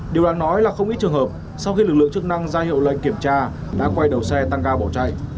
điều đáng nói là không ít trường hợp sau khi lực lượng chức năng ra hiệu lệnh kiểm tra đã quay đầu xe tăng ga bỏ chạy